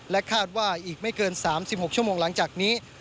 คาดว่าอีกไม่เกิน๓๖ชั่วโมงหลังจากนี้